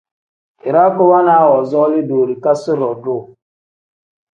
Iraa kubonaa woozooli doorikasi-ro duuu.